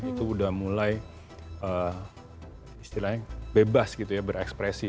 itu udah mulai istilahnya bebas gitu ya berekspresi